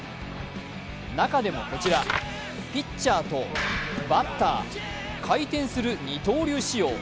中でもこちら、ピッチャーとバッター、回転する二刀流仕様。